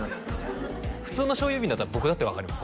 普通の醤油瓶だったら僕だって分かります